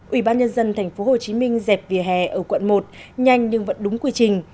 ủy ban nhân dân tp hcm dẹp vỉa hè ở quận một nhanh nhưng vẫn đúng quy trình